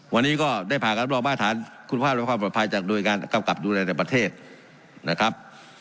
วันนี้ก็ได้ผ่านการรับรองมาตรฐานคุณภาพและความปลอดภัยจากโดยการกำกับดูแลแต่ประเทศนะครับ